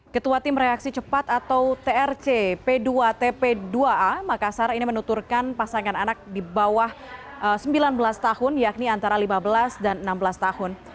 ketua tim reaksi cepat atau trc p dua tp dua a makassar ini menuturkan pasangan anak di bawah sembilan belas tahun yakni antara lima belas dan enam belas tahun